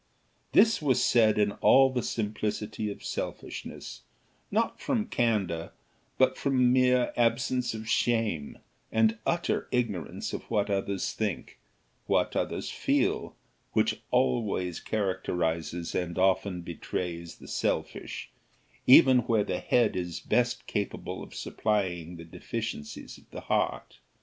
This was said in all the simplicity of selfishness, not from candour, but from mere absence of shame, and utter ignorance of what others think what others feel, which always characterises, and often betrays the selfish, even where the head is best capable of supplying the deficiencies of the heart.